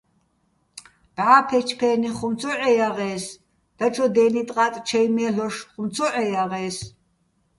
ბჵა ფე́ჩფე́ნიხ ხუმ ცო ჺეჲაღე́ს, დაჩო დე́ნი ტყაწ ჩაჲ მე́ლ'ოშ ხუმ ცო ჺეჲაღე́ს.